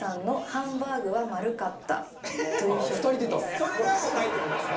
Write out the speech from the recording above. それがもうタイトルですか。